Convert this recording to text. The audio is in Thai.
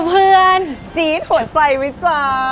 เพื่อนจี๊ดหวดใจไหมจ๊ะ